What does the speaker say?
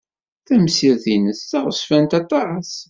Tamsirt-nnes d taɣezfant aṭas.